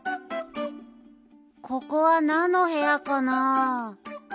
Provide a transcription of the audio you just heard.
ここはなんのへやかな？